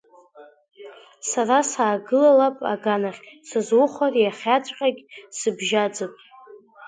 Сара саагылап аганахь, сызухәар иахьаҵәҟьагь сыбжьаӡп.